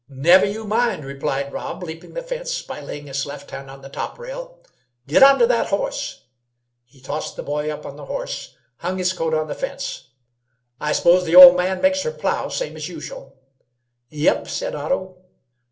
"Never you mind!" replied Rob, leaping the fence by laying his left hand on the top rail. "Get on to that horse." He tossed the boy up on the horse, and hung his coat on the fence. "I s'pose the ol' man makes her plough, same as usual?" "Yup," said Otto.